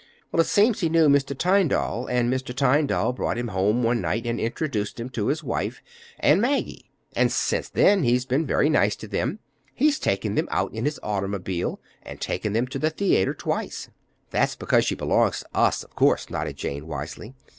"Well, it seems he knew Mr. Tyndall, and Mr. Tyndall brought him home one night and introduced him to his wife and Maggie; and since then he's been very nice to them. He's taken them out in his automobile, and taken them to the theater twice." "That's because she belongs to us, of course," nodded Jane wisely.